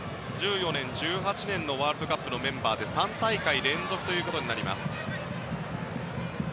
１４年、１８年のワールドカップのメンバーで３大会連続となります。